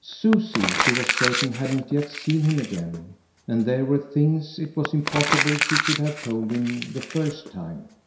Susie, she was certain, hadn't yet seen him again, and there were things it was impossible she could have told him the first time.